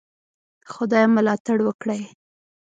خدای ملاتړ وکړی.